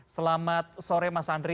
selamat sore mas andri